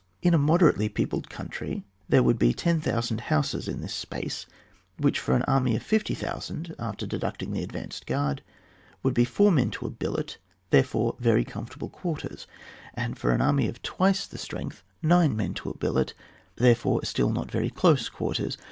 In a moderately peopled country there would be 10,000 houses in this apace, which for an army of 60,000, after deducting the advanced guard, would be iour men to a billet, therefore very comfortable quarters ; and for an army of twice the • 8th Chap, f— TB. FAR. [book t. strength nine men to a billet, therefore still not very close quarters.